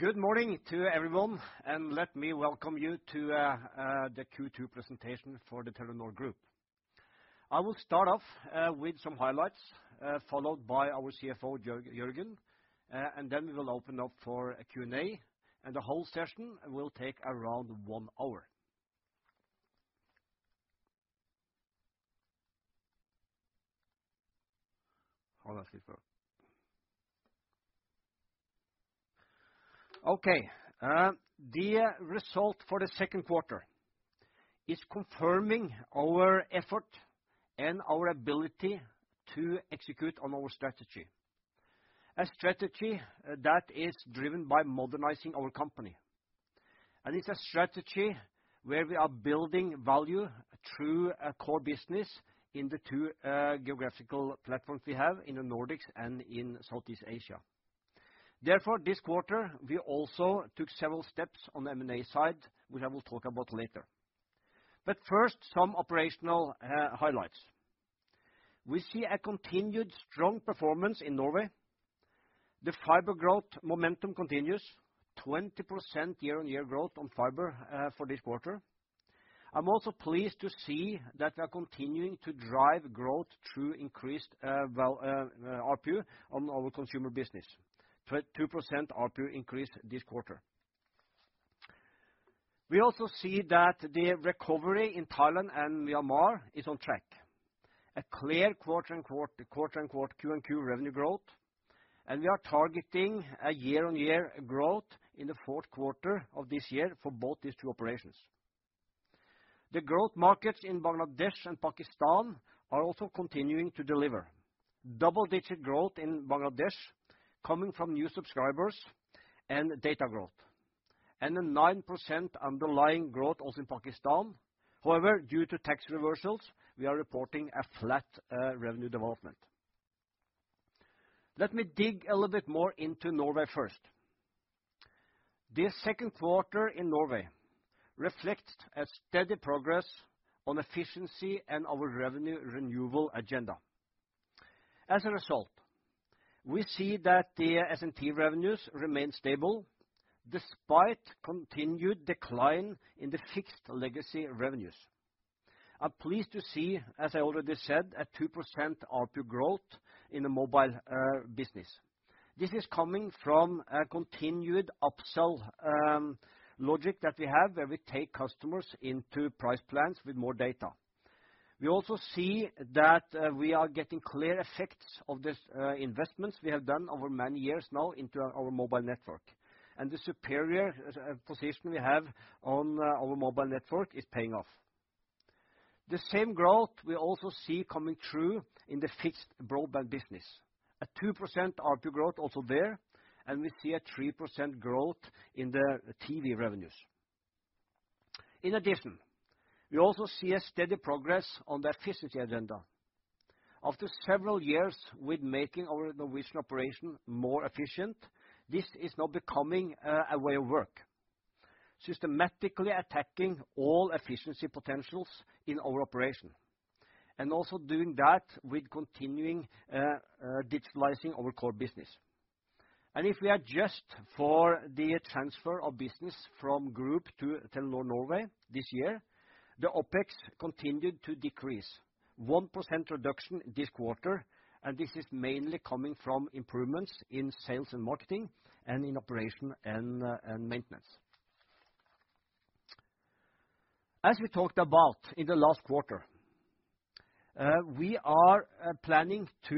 Good morning to everyone, and let me welcome you to the Q2 presentation for the Telenor Group. I will start off with some highlights, followed by our CFO, Jørgen, and then we will open up for a Q&A, and the whole session will take around one hour. Okay, the result for the second quarter is confirming our effort and our ability to execute on our strategy. A strategy that is driven by modernizing our company, and it's a strategy where we are building value through a core business in the two geographical platforms we have in the Nordics and in Southeast Asia. Therefore, this quarter, we also took several steps on the M&A side, which I will talk about later. But first, some operational highlights. We see a continued strong performance in Norway. The fiber growth momentum continues, 20% year-on-year growth on fiber for this quarter. I'm also pleased to see that we are continuing to drive growth through increased ARPU on our consumer business. 2% ARPU increase this quarter. We also see that the recovery in Thailand and Myanmar is on track. A clear quarter-on-quarter Q&Q revenue growth, and we are targeting a year-on-year growth in the fourth quarter of this year for both these two operations. The growth markets in Bangladesh and Pakistan are also continuing to deliver. Double-digit growth in Bangladesh, coming from new subscribers and data growth, and a 9% underlying growth also in Pakistan. However, due to tax reversals, we are reporting a flat revenue development. Let me dig a little bit more into Norway first. The second quarter in Norway reflects a steady progress on efficiency and our revenue renewal agenda. As a result, we see that the S&T revenues remain stable, despite continued decline in the fixed legacy revenues. I'm pleased to see, as I already said, a 2% ARPU growth in the mobile business. This is coming from a continued upsell logic that we have, where we take customers into price plans with more data. We also see that we are getting clear effects of this investments we have done over many years now into our mobile network, and the superior position we have on our mobile network is paying off. The same growth we also see coming through in the fixed broadband business, a 2% ARPU growth also there, and we see a 3% growth in the TV revenues. In addition, we also see a steady progress on the efficiency agenda. After several years with making our Norwegian operation more efficient, this is now becoming a way of work. Systematically attacking all efficiency potentials in our operation, and also doing that with continuing digitalizing our core business. And if we adjust for the transfer of business from group to Telenor Norway this year, the OpEx continued to decrease. 1% reduction this quarter, and this is mainly coming from improvements in sales and marketing, and in operation and maintenance. As we talked about in the last quarter, we are planning to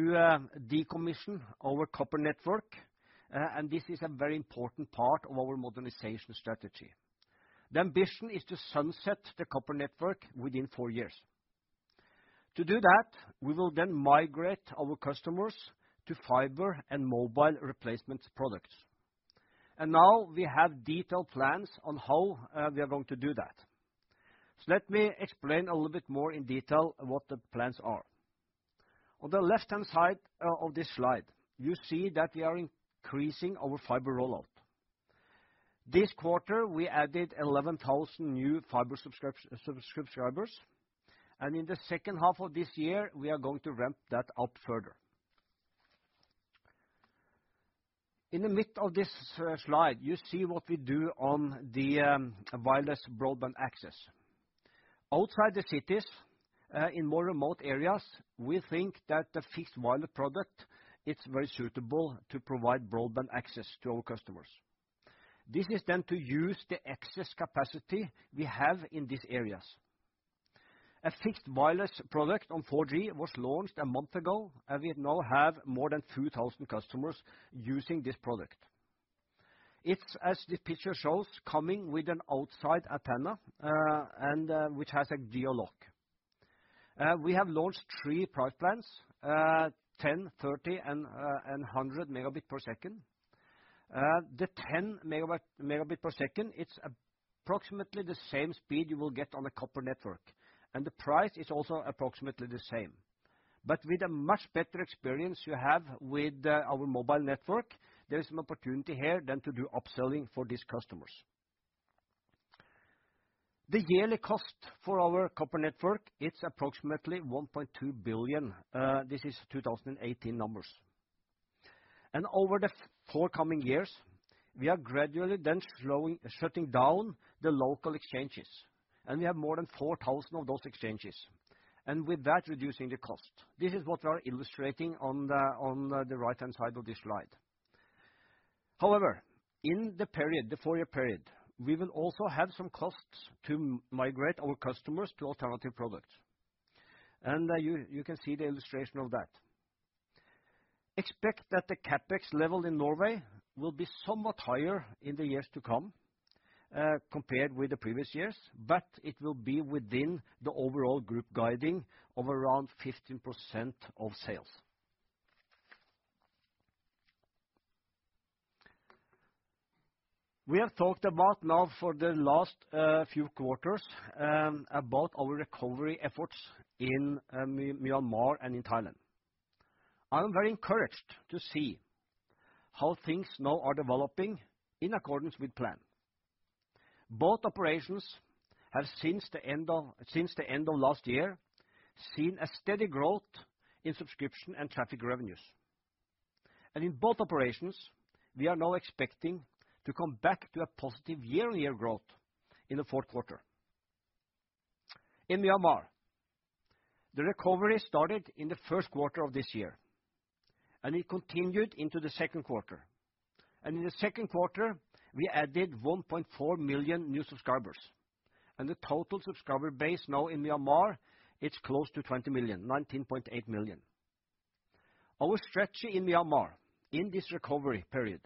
decommission our copper network, and this is a very important part of our modernization strategy. The ambition is to sunset the copper network within four years. To do that, we will then migrate our customers to fiber and mobile replacement products. Now we have detailed plans on how we are going to do that. So let me explain a little bit more in detail what the plans are. On the left-hand side of this slide, you see that we are increasing our fiber rollout. This quarter, we added 11,000 new fiber subscribers, and in the second half of this year, we are going to ramp that up further. In the middle of this slide, you see what we do on the wireless broadband access. Outside the cities, in more remote areas, we think that the fixed wireless product is very suitable to provide broadband access to our customers. This is then to use the excess capacity we have in these areas. A fixed wireless product on 4G was launched a month ago, and we now have more than 2,000 customers using this product. It's, as the picture shows, coming with an outside antenna, and which has a geo lock. We have launched three price plans, 10, 30, and 100 Mbps. The 10 Mbps, it's approximately the same speed you will get on a copper network, and the price is also approximately the same. But with a much better experience you have with our mobile network, there is an opportunity here then to do upselling for these customers. The yearly cost for our copper network, it's approximately 1.2 billion, this is 2018 numbers. Over the four coming years, we are gradually then shutting down the local exchanges, and we have more than 4,000 of those exchanges, and with that, reducing the cost. This is what we are illustrating on the right-hand side of this slide. However, in the period, the four-year period, we will also have some costs to migrate our customers to alternative products, and you can see the illustration of that. Expect that the CapEx level in Norway will be somewhat higher in the years to come compared with the previous years, but it will be within the overall group guiding of around 15% of sales. We have talked about now for the last few quarters about our recovery efforts in Myanmar and in Thailand. I'm very encouraged to see how things now are developing in accordance with plan. Both operations have, since the end of, since the end of last year, seen a steady growth in subscription and traffic revenues. In both operations, we are now expecting to come back to a positive year-on-year growth in the fourth quarter. In Myanmar, the recovery started in the first quarter of this year, and it continued into the second quarter. In the second quarter, we added 1.4 million new subscribers, and the total subscriber base now in Myanmar, it's close to 20 million, 19.8 million. Our strategy in Myanmar, in this recovery period,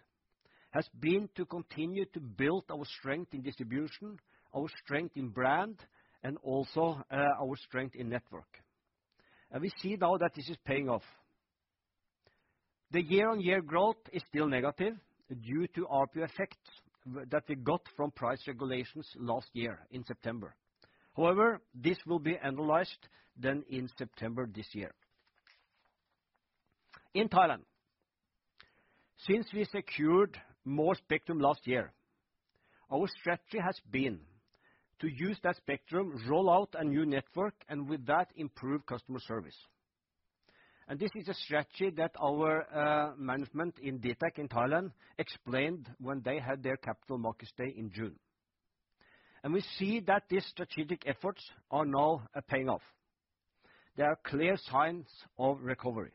has been to continue to build our strength in distribution, our strength in brand, and also, our strength in network. We see now that this is paying off. The year-on-year growth is still negative due to RPU effects that we got from price regulations last year in September. However, this will be analyzed then in September this year. In Thailand, since we secured more spectrum last year, our strategy has been to use that spectrum, roll out a new network, and with that, improve customer service. And this is a strategy that our management in dtac in Thailand explained when they had their Capital Markets Day in June. And we see that these strategic efforts are now paying off. There are clear signs of recovery.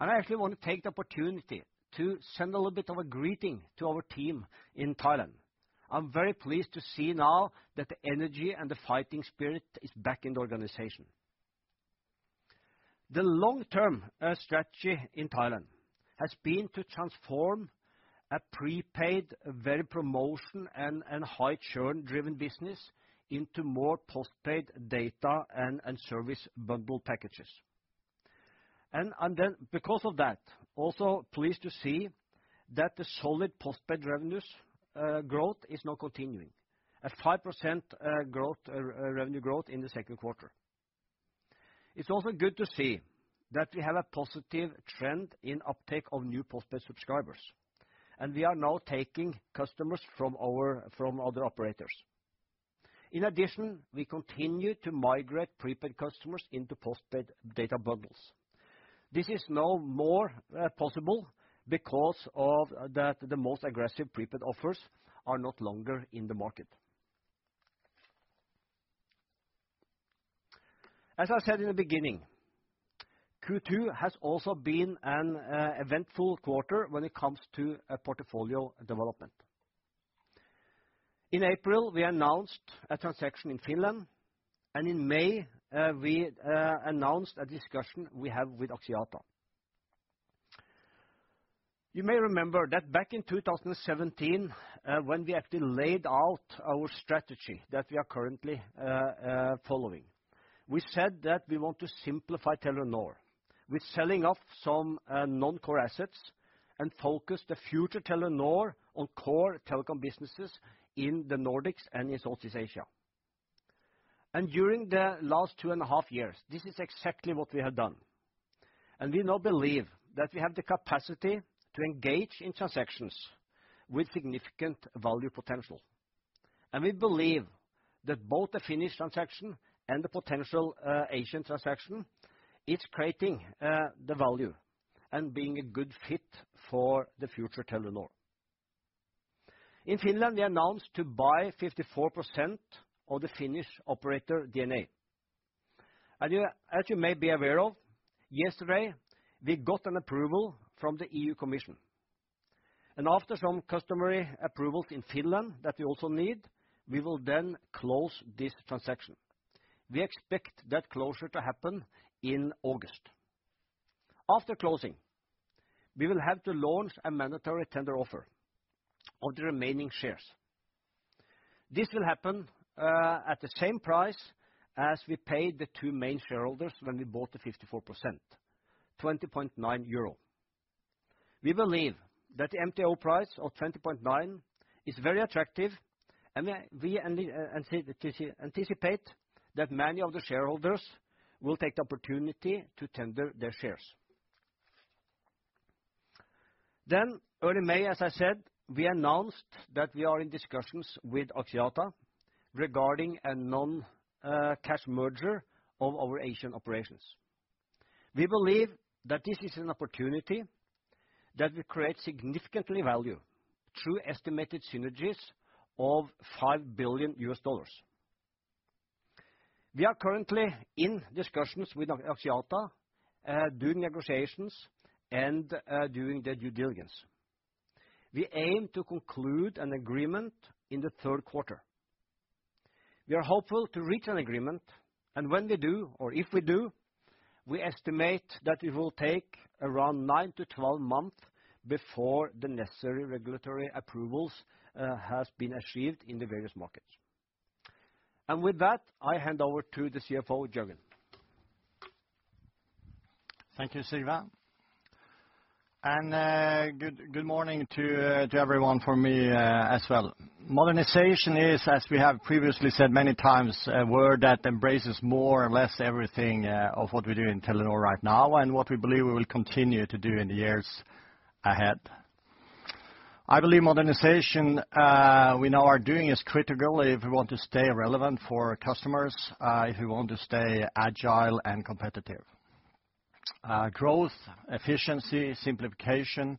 And I actually want to take the opportunity to send a little bit of a greeting to our team in Thailand. I'm very pleased to see now that the energy and the fighting spirit is back in the organization. The long-term strategy in Thailand has been to transform a prepaid, very promotion and, and high churn-driven business into more postpaid data and, and service bundle packages. And then because of that, also pleased to see that the solid postpaid revenues growth is now continuing at 5% revenue growth in the second quarter. It's also good to see that we have a positive trend in uptake of new postpaid subscribers, and we are now taking customers from other operators. In addition, we continue to migrate prepaid customers into postpaid data bundles. This is now more possible because of that the most aggressive prepaid offers are no longer in the market. As I said in the beginning, Q2 has also been an eventful quarter when it comes to a portfolio development. In April, we announced a transaction in Finland, and in May, we announced a discussion we have with Axiata. You may remember that back in 2017, when we actually laid out our strategy that we are currently following, we said that we want to simplify Telenor with selling off some non-core assets, and focus the future Telenor on core telecom businesses in the Nordics and in Southeast Asia. During the last two and a half years, this is exactly what we have done. We now believe that we have the capacity to engage in transactions with significant value potential. We believe that both the Finnish transaction and the potential Asian transaction is creating the value and being a good fit for the future Telenor. In Finland, we announced to buy 54% of the Finnish operator DNA. As you may be aware, yesterday we got an approval from the EU Commission, and after some customary approvals in Finland that we also need, we will then close this transaction. We expect that closure to happen in August. After closing, we will have to launch a mandatory tender offer of the remaining shares. This will happen at the same price as we paid the two main shareholders when we bought the 54%, 20.9 euro. We believe that the MTO price of 20.9 is very attractive, and we anticipate that many of the shareholders will take the opportunity to tender their shares. Then early May, as I said, we announced that we are in discussions with Axiata regarding a non-cash merger of our Asian operations. We believe that this is an opportunity that will create significantly value through estimated synergies of $5 billion. We are currently in discussions with Axiata, doing negotiations and, doing the due diligence. We aim to conclude an agreement in the third quarter. We are hopeful to reach an agreement, and when we do, or if we do, we estimate that it will take around 9-12 months before the necessary regulatory approvals has been achieved in the various markets. And with that, I hand over to the CFO, Jørgen. Thank you, Sigve. And good morning to everyone from me as well. Modernization is, as we have previously said many times, a word that embraces more or less everything of what we do in Telenor right now, and what we believe we will continue to do in the years ahead. I believe modernization we now are doing is critical if we want to stay relevant for our customers if we want to stay agile and competitive. Growth, efficiency, simplification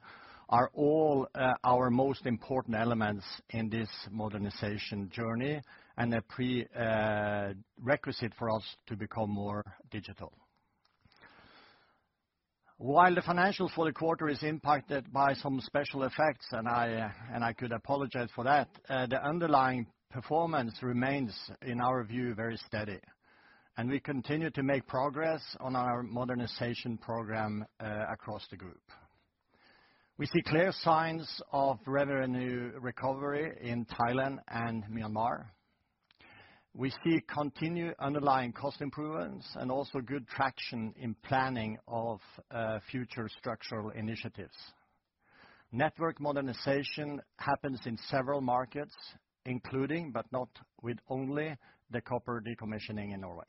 are all our most important elements in this modernization journey, and a prerequisite for us to become more digital. While the financials for the quarter is impacted by some special effects, and I, and I could apologize for that, the underlying performance remains, in our view, very steady, and we continue to make progress on our modernization program, across the group. We see clear signs of revenue recovery in Thailand and Myanmar. We see continued underlying cost improvements, and also good traction in planning of, future structural initiatives. Network modernization happens in several markets, including, but not with only, the copper decommissioning in Norway.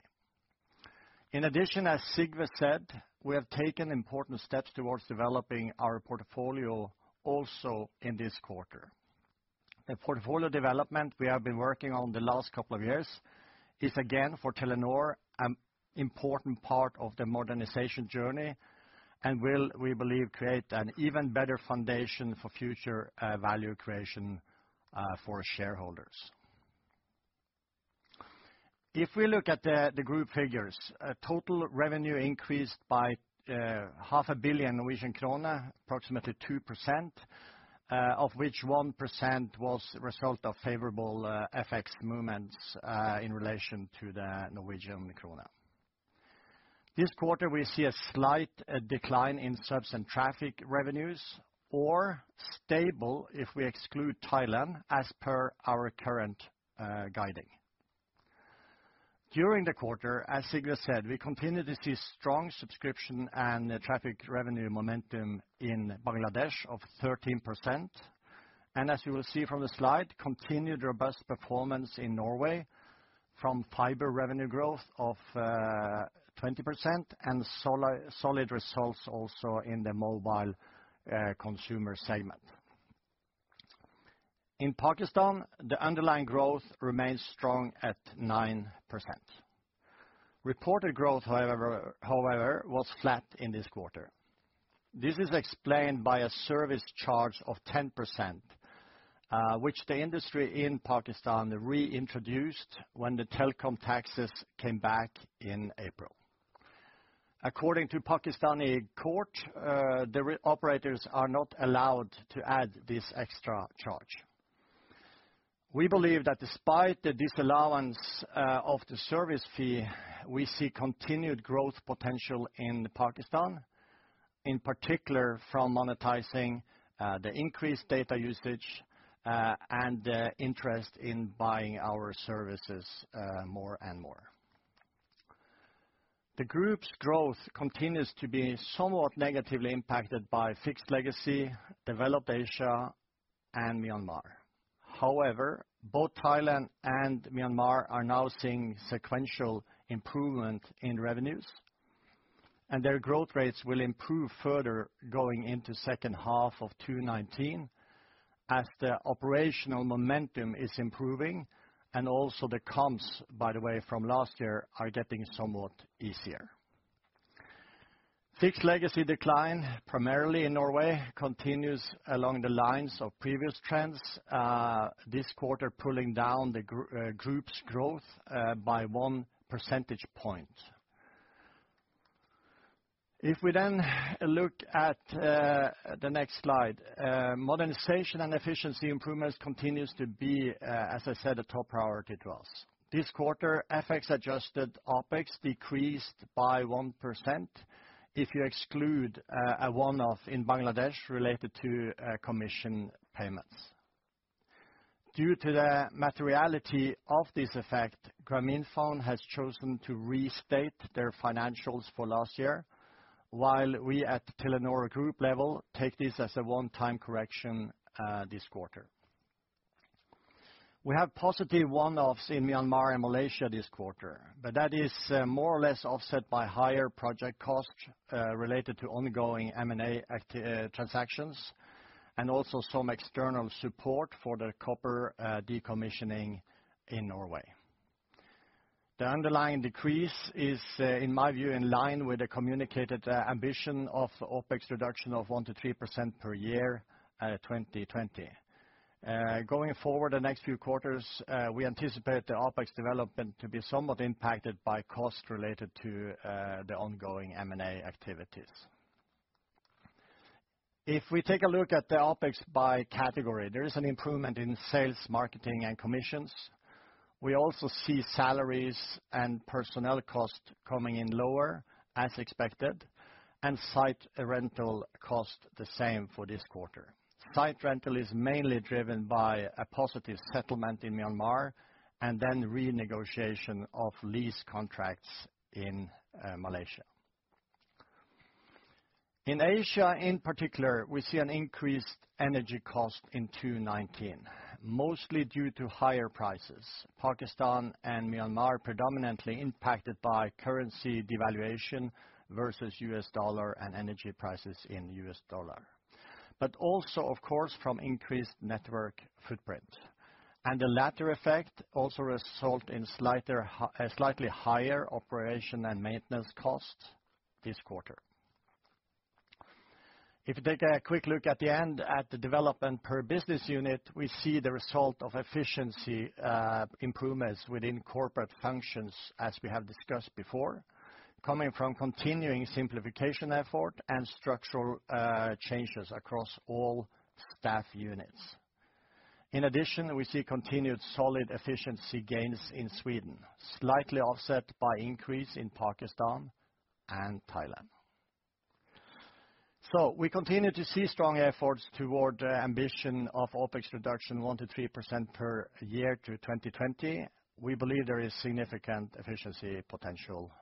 In addition, as Sigve said, we have taken important steps towards developing our portfolio also in this quarter. The portfolio development we have been working on the last couple of years is, again, for Telenor, an important part of the modernization journey, and will, we believe, create an even better foundation for future, value creation, for shareholders. If we look at the group figures, total revenue increased by 500 million Norwegian krone, approximately 2%, of which 1% was a result of favorable FX movements in relation to the Norwegian krone. This quarter, we see a slight decline in subs and traffic revenues, or stable if we exclude Thailand, as per our current guidance. During the quarter, as Sigve said, we continue to see strong subscription and traffic revenue momentum in Bangladesh of 13%. And as you will see from the slide, continued robust performance in Norway from fiber revenue growth of 20%, and solid results also in the mobile consumer segment. In Pakistan, the underlying growth remains strong at 9%. Reported growth, however, was flat in this quarter. This is explained by a service charge of 10%, which the industry in Pakistan reintroduced when the telecom taxes came back in April. According to Pakistani court, the operators are not allowed to add this extra charge. We believe that despite the disallowance of the service fee, we see continued growth potential in Pakistan, in particular from monetizing the increased data usage and interest in buying our services more and more. The group's growth continues to be somewhat negatively impacted by Fixed Legacy, Developed Asia, and Myanmar. However, both Thailand and Myanmar are now seeing sequential improvement in revenues, and their growth rates will improve further going into second half of 2019, as the operational momentum is improving, and also the comps, by the way, from last year, are getting somewhat easier. Fixed Legacy decline, primarily in Norway, continues along the lines of previous trends, this quarter pulling down the group's growth by 1 percentage point. If we then look at the next slide, modernization and efficiency improvements continues to be, as I said, a top priority to us. This quarter, FX-adjusted OpEx decreased by 1% if you exclude a one-off in Bangladesh related to commission payments. Due to the materiality of this effect, Grameenphone has chosen to restate their financials for last year, while we at Telenor Group level take this as a one-time correction this quarter. We have positive one-offs in Myanmar and Malaysia this quarter, but that is more or less offset by higher project costs related to ongoing M&A transactions, and also some external support for the copper decommissioning in Norway. The underlying decrease is, in my view, in line with the communicated ambition of OpEx reduction of 1%-3% per year at 2020. Going forward the next few quarters, we anticipate the OpEx development to be somewhat impacted by costs related to the ongoing M&A activities. If we take a look at the OpEx by category, there is an improvement in sales, marketing, and commissions. We also see salaries and personnel costs coming in lower, as expected, and site rental cost the same for this quarter. Site rental is mainly driven by a positive settlement in Myanmar, and then renegotiation of lease contracts in Malaysia. In Asia, in particular, we see an increased energy cost in 2019, mostly due to higher prices. Pakistan and Myanmar predominantly impacted by currency devaluation versus U.S. dollar and energy prices in U.S. dollar, but also, of course, from increased network footprint. And the latter effect also result in a slightly higher operation and maintenance cost this quarter. If you take a quick look at the end, at the development per business unit, we see the result of efficiency improvements within corporate functions, as we have discussed before, coming from continuing simplification effort and structural changes across all staff units. In addition, we see continued solid efficiency gains in Sweden, slightly offset by increase in Pakistan and Thailand. So we continue to see strong efforts toward the ambition of OpEx reduction 1%-3% per year to 2020. We believe there is significant efficiency potential left.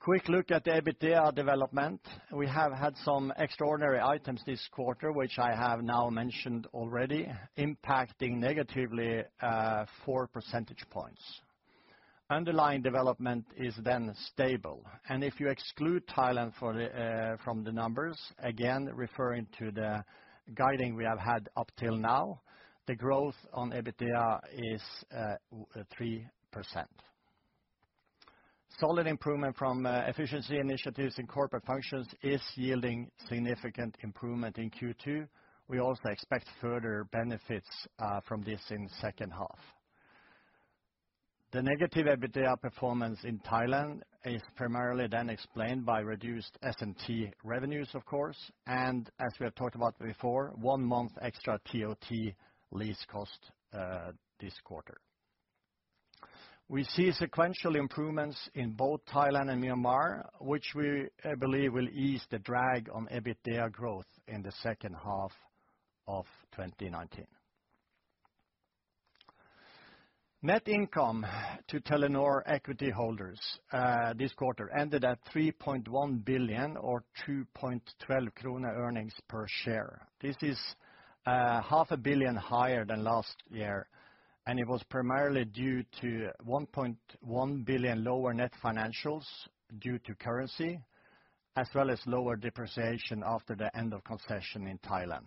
Quick look at the EBITDA development. We have had some extraordinary items this quarter, which I have now mentioned already, impacting negatively four percentage points. Underlying development is then stable, and if you exclude Thailand from the numbers, again, referring to the guiding we have had up till now, the growth on EBITDA is 3%. Solid improvement from efficiency initiatives in corporate functions is yielding significant improvement in Q2. We also expect further benefits from this in second half. The negative EBITDA performance in Thailand is primarily then explained by reduced S&T revenues, of course, and as we have talked about before, one month extra TOT lease cost this quarter. We see sequential improvements in both Thailand and Myanmar, which we, I believe, will ease the drag on EBITDA growth in the second half of 2019. Net income to Telenor equity holders, this quarter ended at 3.1 billion or 2.12 krone earnings per share. This is half a billion higher than last year, and it was primarily due to 1.1 billion lower net financials due to currency, as well as lower depreciation after the end of concession in Thailand,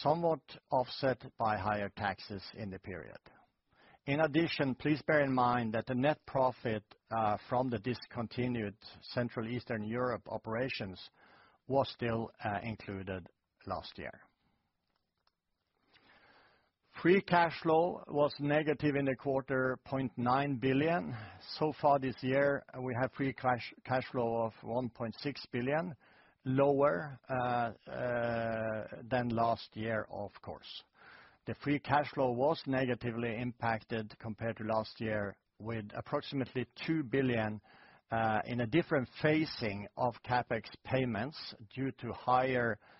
somewhat offset by higher taxes in the period. In addition, please bear in mind that the net profit from the discontinued Central Eastern Europe operations was still included last year. Free cash flow was negative in the quarter, 0.9 billion. So far this year, we have free cash flow of 1.6 billion, lower than last year, of course. The free cash flow was negatively impacted compared to last year, with approximately 2 billion in a different phasing of CapEx payments due to higher CapEx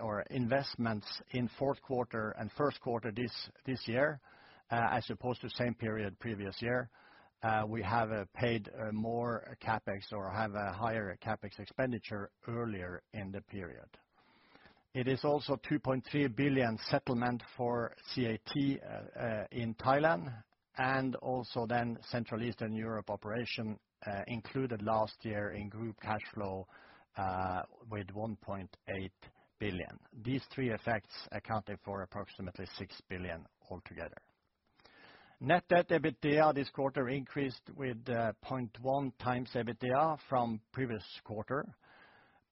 or investments in fourth quarter and first quarter this year, as opposed to same period previous year. We have paid more CapEx or have a higher CapEx expenditure earlier in the period. It is also 2.3 billion settlement for CAT in Thailand, and also then Central Eastern Europe operation included last year in group cash flow with 1.8 billion. These three effects accounted for approximately 6 billion altogether. Net debt EBITDA this quarter increased with 0.1x EBITDA from previous quarter,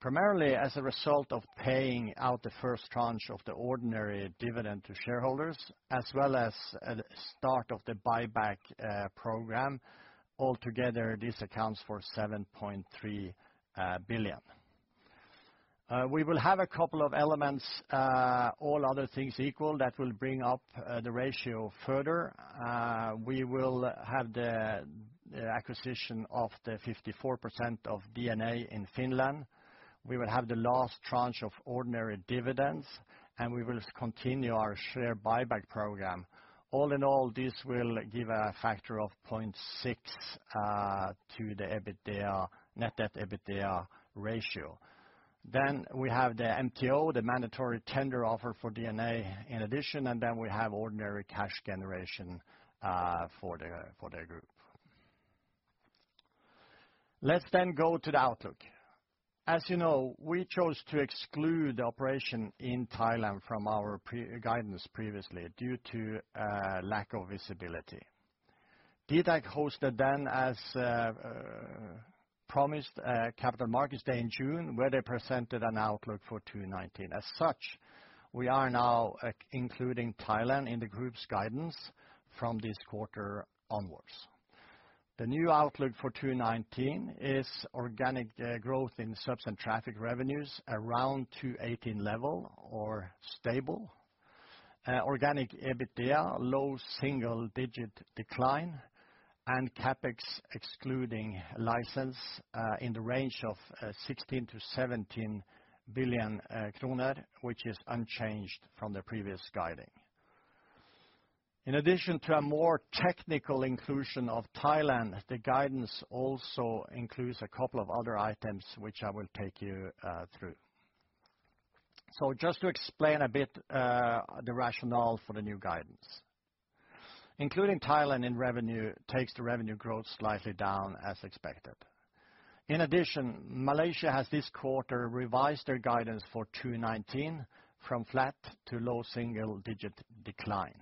primarily as a result of paying out the first tranche of the ordinary dividend to shareholders, as well as at start of the buyback program. Altogether, this accounts for 7.3 billion. We will have a couple of elements, all other things equal, that will bring up the ratio further. We will have the acquisition of the 54% of DNA in Finland. We will have the last tranche of ordinary dividends, and we will continue our share buyback program. All in all, this will give a factor of 0.6 to the EBITDA, net debt EBITDA ratio. Then we have the MTO, the mandatory tender offer for DNA in addition, and then we have ordinary cash generation for the group. Let's then go to the outlook. As you know, we chose to exclude the operation in Thailand from our pre-guidance previously, due to lack of visibility. dtac hosted then, as promised, a capital markets day in June, where they presented an outlook for 2019. As such, we are now including Thailand in the group's guidance from this quarter onwards. The new outlook for 2019 is organic growth in subs and traffic revenues around 2018 level or stable. Organic EBITDA low single digit decline, and CapEx excluding license in the range of 16 billion-17 billion kroner, which is unchanged from the previous guidance. In addition to a more technical inclusion of Thailand, the guidance also includes a couple of other items which I will take you through. Just to explain a bit, the rationale for the new guidance. Including Thailand in revenue takes the revenue growth slightly down as expected. In addition, Malaysia has this quarter revised their guidance for 2019 from flat to low single-digit decline.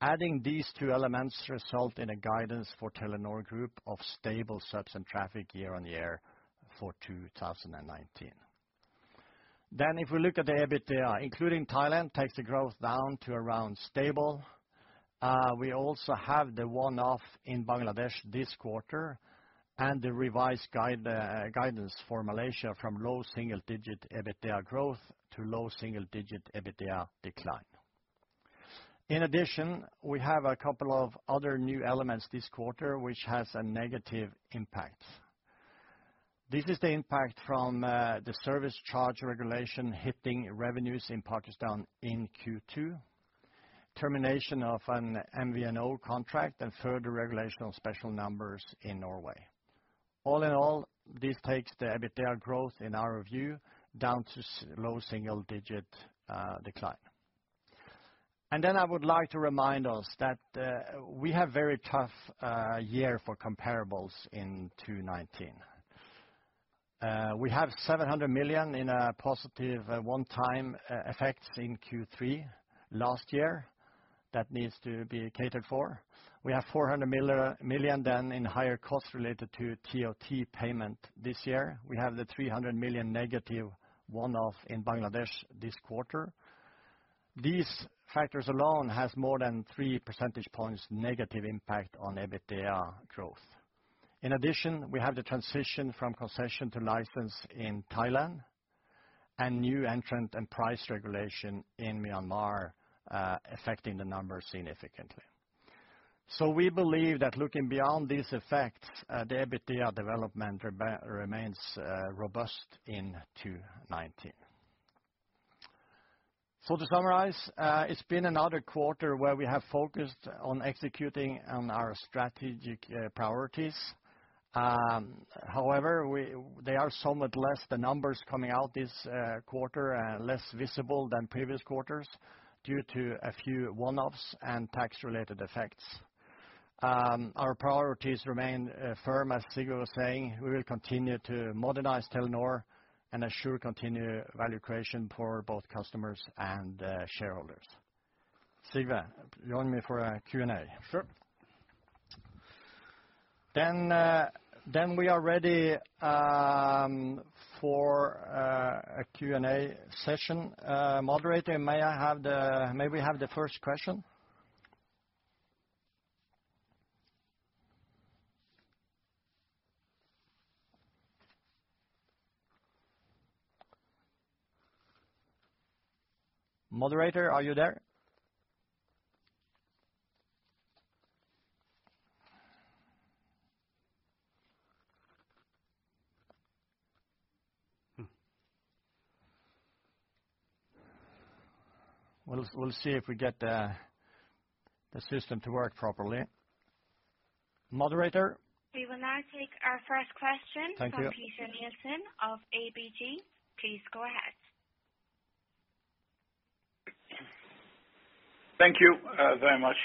Adding these two elements result in a guidance for Telenor Group of stable subs and traffic year-on-year for 2019. Then, if we look at the EBITDA, including Thailand, takes the growth down to around stable. We also have the one-off in Bangladesh this quarter, and the revised guidance for Malaysia from low single-digit EBITDA growth to low single-digit EBITDA decline. In addition, we have a couple of other new elements this quarter, which has a negative impact. This is the impact from the service charge regulation hitting revenues in Pakistan in Q2, termination of an MVNO contract, and further regulation on special numbers in Norway. All in all, this takes the EBITDA growth, in our view, down to low single-digit decline. Then I would like to remind us that we have very tough year for comparables in 2019. We have 700 million in a positive one-time effect in Q3 last year that needs to be catered for. We have 400 million then in higher costs related to TOT payment this year. We have the 300 million negative one-off in Bangladesh this quarter. These factors alone has more than three percentage points negative impact on EBITDA growth. In addition, we have the transition from concession to license in Thailand, and new entrant and price regulation in Myanmar affecting the numbers significantly. So we believe that looking beyond these effects, the EBITDA development remains robust in 2019. So to summarize, it's been another quarter where we have focused on executing on our strategic priorities. However, the numbers coming out this quarter are somewhat less visible than previous quarters, due to a few one-offs and tax-related effects. Our priorities remain firm, as Sigve was saying, we will continue to modernize Telenor and ensure continued value creation for both customers and shareholders. Sigve, you join me for a Q&A? Sure. Then we are ready for a Q&A session. Moderator, may I have the, may we have the first question? Moderator, are you there? Hmm. We'll see if we get the system to work properly. Moderator? We will now take our first question- Thank you. From Peter Nielsen of ABG. Please go ahead. Thank you, very much.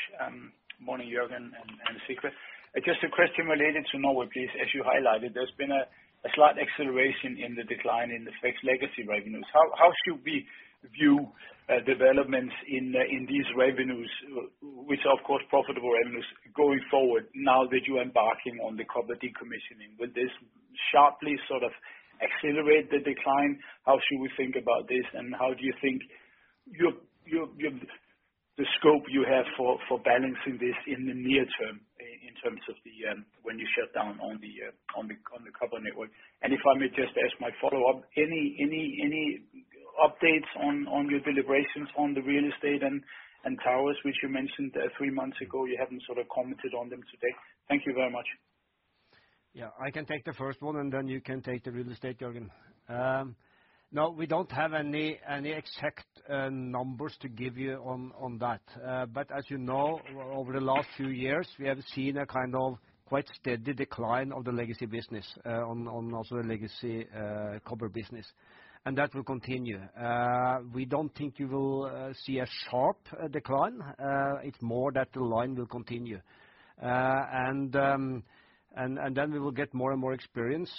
Morning, Jørgen and Sigve. Just a question related to Norway, please. As you highlighted, there's been a slight acceleration in the decline in the fixed legacy revenues. How should we view developments in these revenues, which are, of course, profitable revenues, going forward now that you are embarking on the copper decommissioning? Will this sharply sort of accelerate the decline? How should we think about this, and how do you think the scope you have for balancing this in the near term, in terms of when you shut down on the copper network? And if I may just ask my follow-up, any updates on your deliberations on the real estate and towers, which you mentioned three months ago? You haven't sort of commented on them today. Thank you very much. Yeah, I can take the first one, and then you can take the real estate, Jørgen. No, we don't have any exact numbers to give you on that. But as you know, over the last few years, we have seen a kind of quite steady decline of the legacy business, on also the legacy copper business, and that will continue. We don't think you will see a sharp decline. It's more that the line will continue. And then we will get more and more experience,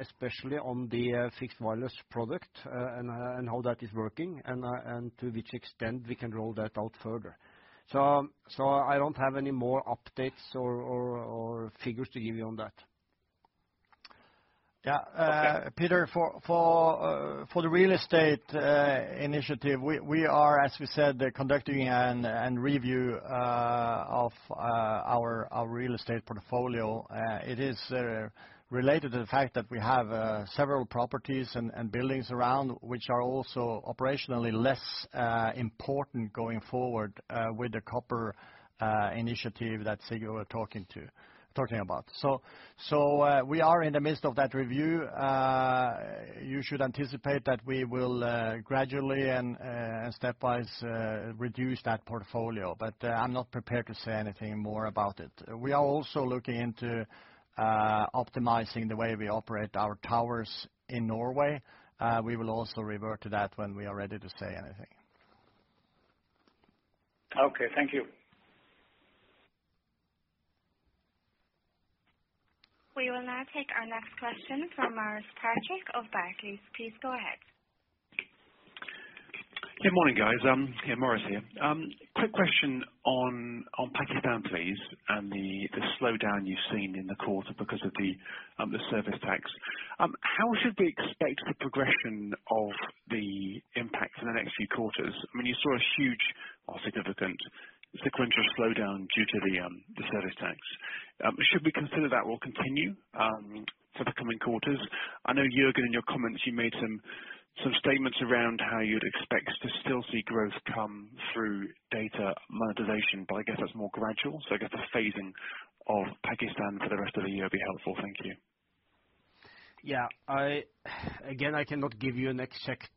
especially on the fixed wireless product, and how that is working, and to which extent we can roll that out further. So I don't have any more updates or figures to give you on that. Yeah. Okay. Peter, for the real estate initiative, we are, as we said, conducting a review of our real estate portfolio. It is related to the fact that we have several properties and buildings around, which are also operationally less important going forward, with the copper initiative that Sigve were talking about. So, we are in the midst of that review. You should anticipate that we will gradually and stepwise reduce that portfolio, but I'm not prepared to say anything more about it. We are also looking into optimizing the way we operate our towers in Norway. We will also revert to that when we are ready to say anything. Okay, thank you. We will now take our next question from Maurice Patrick of Barclays. Please go ahead. Good morning, guys. Yeah, Maurice here. Quick question on Pakistan, please, and the slowdown you've seen in the quarter because of the service tax. How should we expect the progression of the impact in the next few quarters? I mean, you saw a huge or significant sequential slowdown due to the service tax. Should we consider that will continue for the coming quarters? I know, Jørgen, in your comments, you made some statements around how you'd expect to still see growth come through data monetization, but I guess that's more gradual. So I guess the phasing of Pakistan for the rest of the year will be helpful. Thank you. Yeah, again, I cannot give you an exact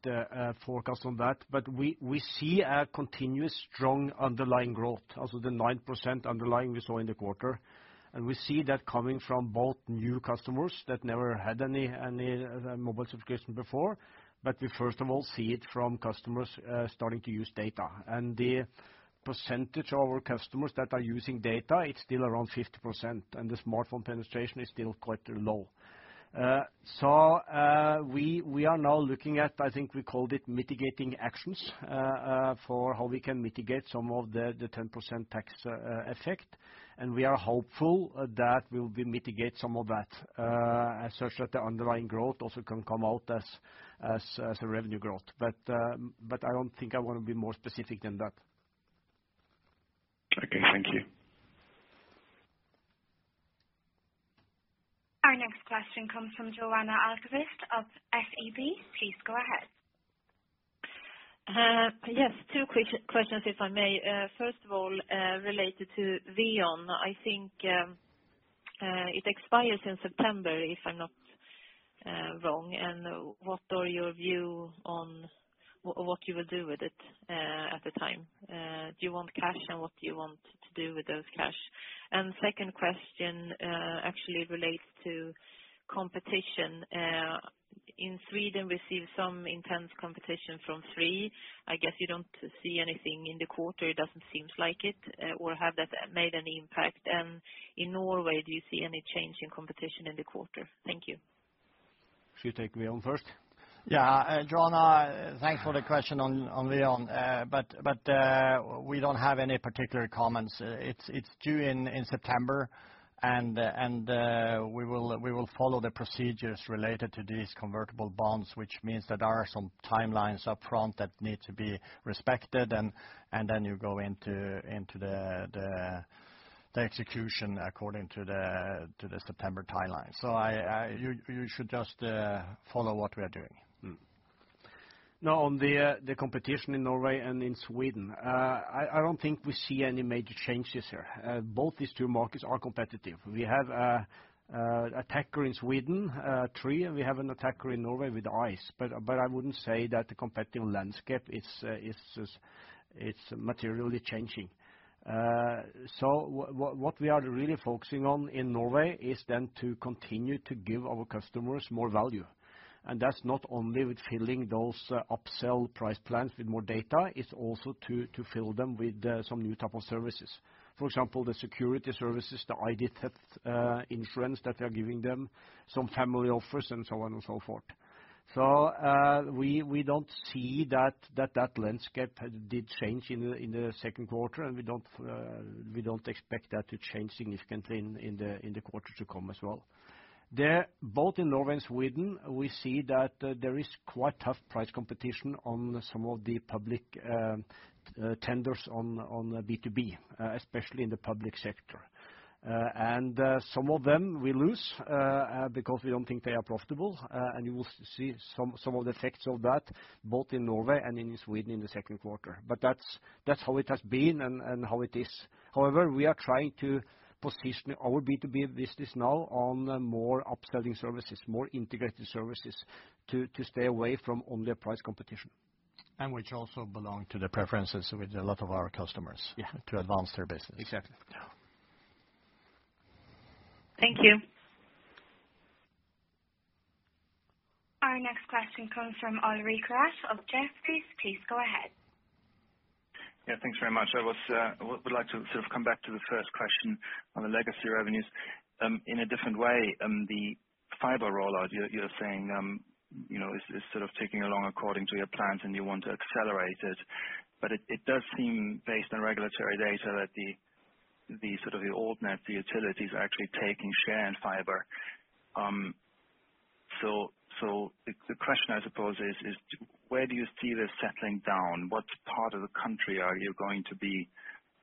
forecast on that. But we see a continuous strong underlying growth, also the 9% underlying we saw in the quarter. And we see that coming from both new customers that never had any mobile subscription before. But we, first of all, see it from customers starting to use data. And the percentage of our customers that are using data, it's still around 50%, and the smartphone penetration is still quite low. So, we are now looking at, I think we called it mitigating actions, for how we can mitigate some of the 10% tax effect. And we are hopeful that we'll be mitigate some of that, as such that the underlying growth also can come out as a revenue growth. But, but I don't think I want to be more specific than that. Okay, thank you. Our next question comes from Johanna Ahlqvist of SEB. Please go ahead. Yes, two quick questions, if I may. First of all, related to VEON. I think it expires in September, if I'm not wrong. And what are your view on what you will do with it at the time? Do you want cash, and what do you want to do with those cash? And second question, actually relates to competition. In Sweden, we see some intense competition from Three. I guess you don't see anything in the quarter, it doesn't seem like it, or have that made any impact? And in Norway, do you see any change in competition in the quarter? Thank you. She take VEON first? Yeah, Johanna, thanks for the question on VEON, but we don't have any particular comments. It's due in September, and we will follow the procedures related to these convertible bonds, which means there are some timelines upfront that need to be respected, and then you go into the execution according to the September timeline. So, you should just follow what we are doing. Now, on the competition in Norway and in Sweden, I don't think we see any major changes here. Both these two markets are competitive. We have an attacker in Sweden, Three, and we have an attacker in Norway with Ice. But I wouldn't say that the competitive landscape is materially changing. So what we are really focusing on in Norway is then to continue to give our customers more value, and that's not only with filling those upsell price plans with more data, it's also to fill them with some new type of services. For example, the security services, the ID theft insurance that we are giving them, some family offers, and so on and so forth. So, we don't see that landscape did change in the second quarter, and we don't expect that to change significantly in the quarters to come as well. There, both in Norway and Sweden, we see that there is quite tough price competition on some of the public tenders on B2B, especially in the public sector. And some of them we lose because we don't think they are profitable, and you will see some of the effects of that, both in Norway and in Sweden, in the second quarter. But that's how it has been and how it is. However, we are trying to position our B2B business now on more upselling services, more integrated services, to stay away from only a price competition. And which also belong to the preferences with a lot of our customers. Yeah. To advance their business. Exactly. Yeah. Thank you. Our next question comes from Ulrich Rathe of Jefferies. Please go ahead. Yeah, thanks very much. I would like to sort of come back to the first question on the legacy revenues, in a different way. The fiber rollout, you're saying, you know, is sort of ticking along according to your plans, and you want to accelerate it. But it does seem, based on regulatory data, that the sort of old net, the utilities are actually taking share in fiber. So, the question, I suppose, is where do you see this settling down? What part of the country are you going to be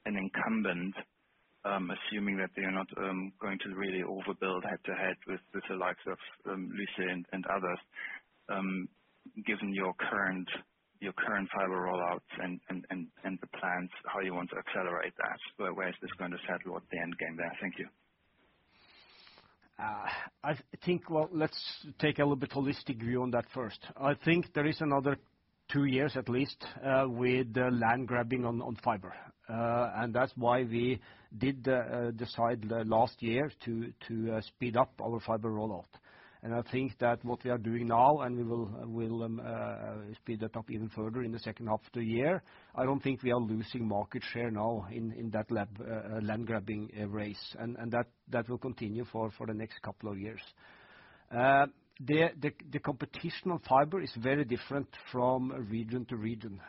an incumbent, assuming that you're not going to really overbuild head-to-head with the likes of Lyse and others, given your current fiber rollouts and the plans, how you want to accelerate that? Where is this going to settle at the end game there? Thank you. I think, well, let's take a little bit holistic view on that first. I think there is another two years at least with the land grabbing on fiber. And that's why we did decide last year to speed up our fiber rollout. And I think that what we are doing now, and we will speed it up even further in the second half of the year. I don't think we are losing market share now in that land grabbing race, and that will continue for the next couple of years. The competition of fiber is very different from region to region,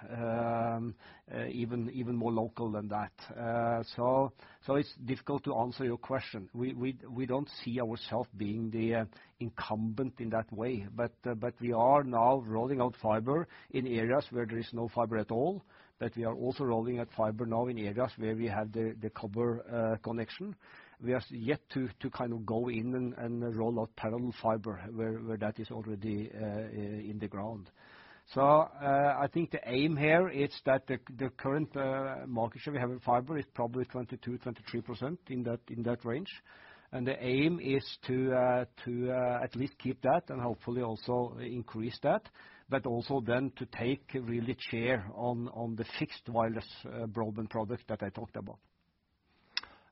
even more local than that. So it's difficult to answer your question. We don't see ourself being the incumbent in that way, but we are now rolling out fiber in areas where there is no fiber at all. But we are also rolling out fiber now in areas where we have the copper connection. We are yet to kind of go in and roll out parallel fiber where that is already in the ground. So, I think the aim here is that the current market share we have in fiber is probably 22%-23%, in that range. And the aim is to at least keep that and hopefully also increase that, but also then to take really share on the fixed wireless broadband product that I talked about.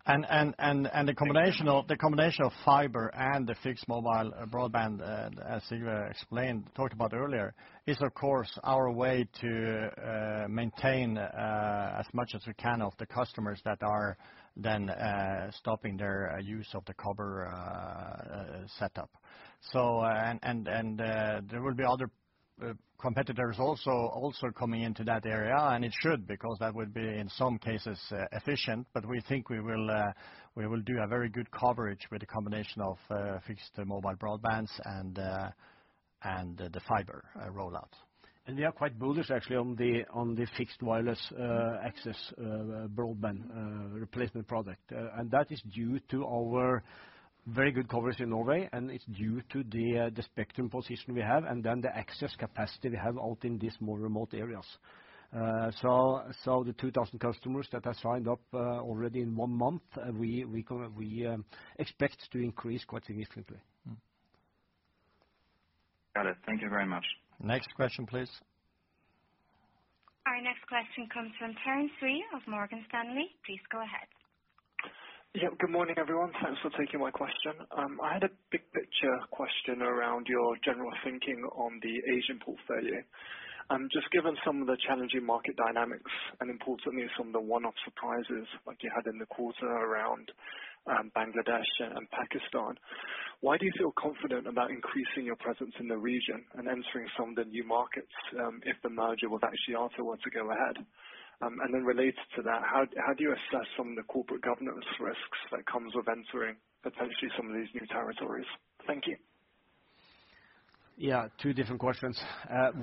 And the combination of- The combination of fiber and the fixed mobile broadband, as you explained, talked about earlier, is of course, our way to maintain, as much as we can of the customers that are then stopping their use of the copper setup. So, there will be other competitors also coming into that area, and it should, because that would be, in some cases, efficient. But we think we will do a very good coverage with a combination of fixed mobile broadbands and the fiber rollout. And we are quite bullish actually, on the fixed wireless access broadband replacement product. And that is due to our very good coverage in Norway, and it's due to the spectrum position we have, and then the access capacity we have out in these more remote areas. So the 2,000 customers that have signed up already in one month, we expect to increase quite significantly. Got it. Thank you very much. Next question, please. Our next question comes from Terence Tsui of Morgan Stanley. Please go ahead. Yeah. Good morning, everyone. Thanks for taking my question. I had a big picture question around your general thinking on the Asian portfolio. And just given some of the challenging market dynamics, and importantly, some of the one-off surprises like you had in the quarter around, Bangladesh and Pakistan, why do you feel confident about increasing your presence in the region and entering some of the new markets, if the merger with Axiata were to go ahead? And then related to that, how, how do you assess some of the corporate governance risks that comes with entering potentially some of these new territories? Thank you. Yeah, two different questions.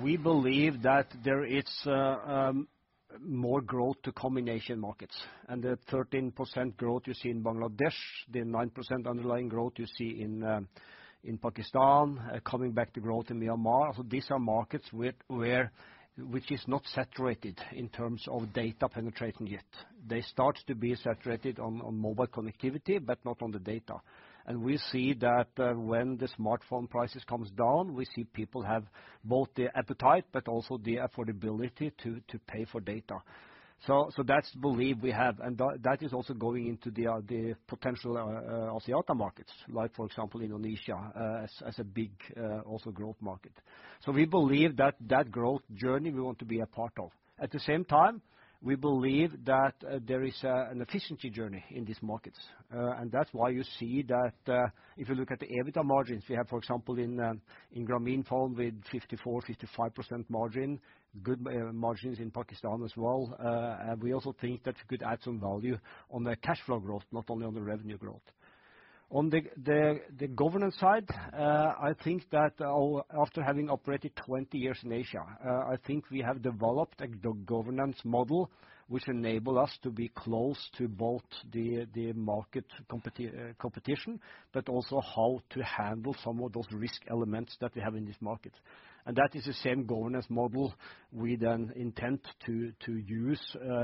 We believe that there is more growth to combination markets. And the 13% growth you see in Bangladesh, the 9% underlying growth you see in Pakistan, coming back to growth in Myanmar. These are markets where, where, which is not saturated in terms of data penetrating yet. They start to be saturated on mobile connectivity, but not on the data. And we see that when the smartphone prices comes down, we see people have both the appetite, but also the affordability to pay for data. So that's belief we have, and that is also going into the potential Axiata markets, like for example, Indonesia, as a big also growth market. So we believe that that growth journey we want to be a part of. At the same time, we believe that there is an efficiency journey in these markets. And that's why you see that, if you look at the EBITDA margins we have, for example, in Grameenphone with 54%-55% margin, good margins in Pakistan as well. We also think that could add some value on the cash flow growth, not only on the revenue growth. On the governance side, I think that, after having operated 20 years in Asia, I think we have developed a governance model which enable us to be close to both the market competition, but also how to handle some of those risk elements that we have in this market. That is the same governance model we then intend to use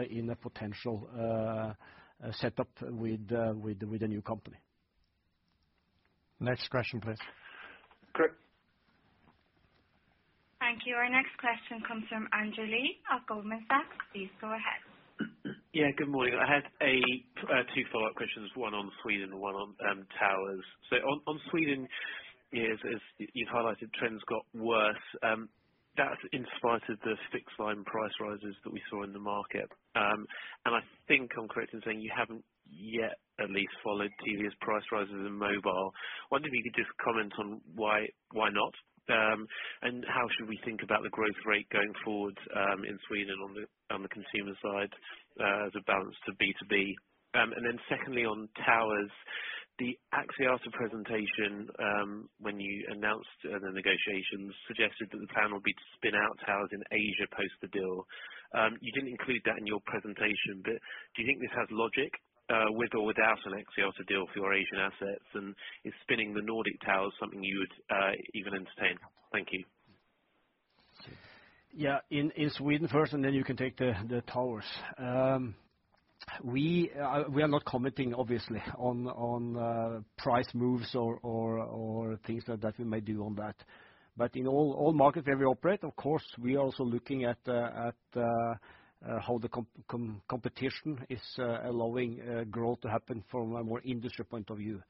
in a potential setup with the new company.... Next question, please. Great. Thank you. Our next question comes from Andrew Lee of Goldman Sachs. Please go ahead. Yeah, good morning. I had two follow-up questions, one on Sweden and one on towers. So on Sweden, you've highlighted trends got worse, that's in spite of the fixed line price rises that we saw in the market. And I think I'm correct in saying you haven't yet at least followed Telia's price rises in mobile. Wondering if you could just comment on why not? And how should we think about the growth rate going forward in Sweden on the consumer side as a balance to B2B? And then secondly, on towers, the Axiata presentation when you announced the negotiations suggested that the plan would be to spin out towers in Asia post the deal. You didn't include that in your presentation, but do you think this has logic, with or without an Axiata deal for your Asian assets? And is spinning the Nordic Towers something you would even entertain? Thank you. Yeah, in Sweden first, and then you can take the towers. We are not commenting obviously on price moves or things like that we may do on that. But in all markets where we operate, of course, we are also looking at how the competition is allowing growth to happen from a more industry point of view.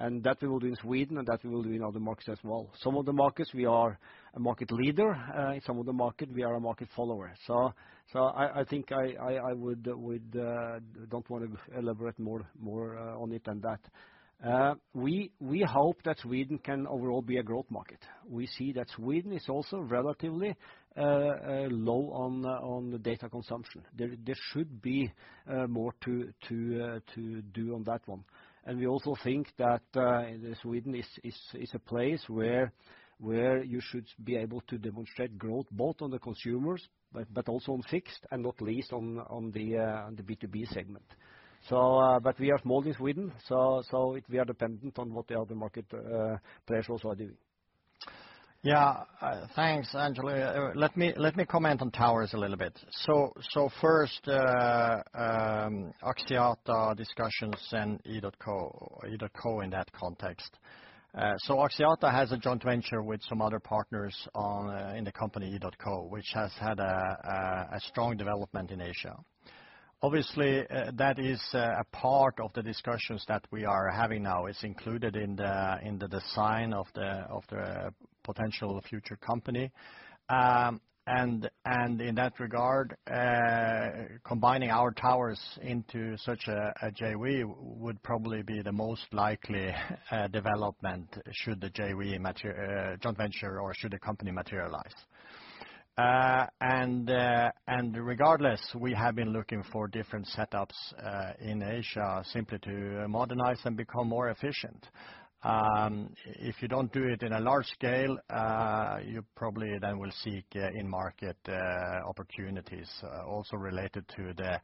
And that we will do in Sweden, and that we will do in other markets as well. Some of the markets, we are a market leader, in some of the markets, we are a market follower. So I would don't wanna elaborate more on it than that. We hope that Sweden can overall be a growth market. We see that Sweden is also relatively low on the data consumption. There should be more to do on that one. And we also think that Sweden is a place where you should be able to demonstrate growth, both on the consumers, but also on fixed, and not least on the B2B segment. But we have more than Sweden, so we are dependent on what the other market players also are doing. Yeah. Thanks, Andrew. Let me comment on towers a little bit. So first, Axiata discussions and edotco in that context. So Axiata has a joint venture with some other partners on in the company edotco, which has had a strong development in Asia. Obviously, that is a part of the discussions that we are having now. It's included in the design of the potential future company. And in that regard, combining our towers into such a JV would probably be the most likely development should the JV mater- joint venture, or should the company materialize. And regardless, we have been looking for different setups in Asia, simply to modernize and become more efficient. If you don't do it in a large scale, you probably then will seek in market opportunities also related to the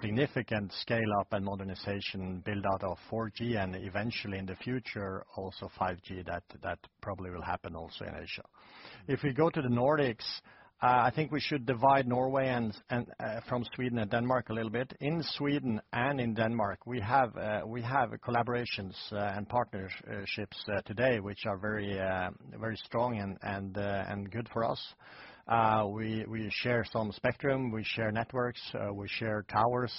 significant scale up and modernization build-out of 4G and eventually in the future, also 5G, that probably will happen also in Asia. If we go to the Nordics, I think we should divide Norway and from Sweden and Denmark a little bit. In Sweden and in Denmark, we have collaborations and partnerships today, which are very strong and good for us. We share some spectrum, we share networks, we share towers,